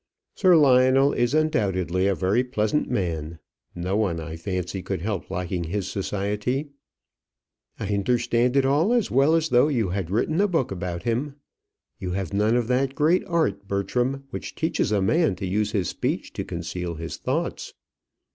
"Sir Lionel is undoubtedly a very pleasant man; no one, I fancy, could help liking his society." "I understand it all as well as though you had written a book about him. You have none of that great art, Bertram, which teaches a man to use his speech to conceal his thoughts."